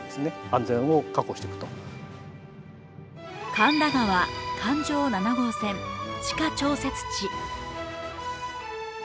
神田川・環状七号線、地下調節池。